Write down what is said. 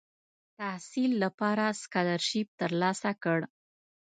تحصیل لپاره سکالرشیپ تر لاسه کړ.